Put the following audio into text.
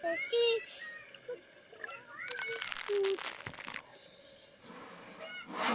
لوانہ تھال۔